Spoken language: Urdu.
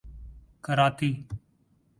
کراتی